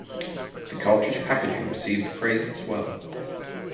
The cartridge packaging received praise as well.